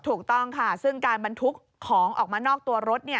ถูกต้องค่ะซึ่งการบรรทุกของออกมานอกตัวรถ